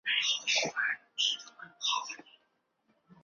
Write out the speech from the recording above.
圣赫伦那乌木是南大西洋圣赫勒拿岛特有的一种开花植物。